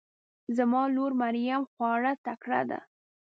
زما لور مريم خواره تکړه ده